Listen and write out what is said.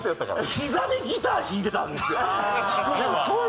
膝でギター弾いてたんですよ。